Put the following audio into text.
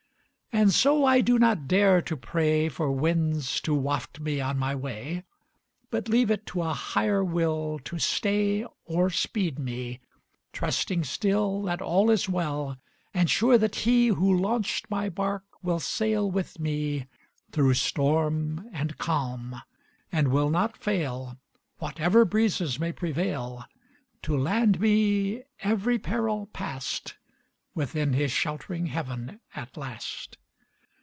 And so I do not dare to pray For winds to waft me on my way, But leave it to a Higher Will To stay or speed me; trusting still That all is well, and sure that He Who launched my bark will sail with me Through storm and calm, and will not fail, Whatever breezes may prevail, To land me, every peril past, Within his sheltering heaven at last.